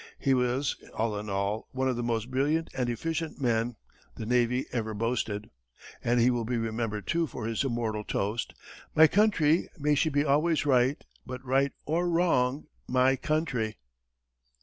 He was, all in all, one of the most brilliant and efficient men the navy ever boasted; and he will be remembered, too, for his immortal toast: "My country: may she be always right; but, right or wrong, my country!"